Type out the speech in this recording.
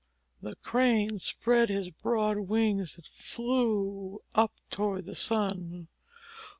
The Crane spread his broad wings and flew up toward the sun.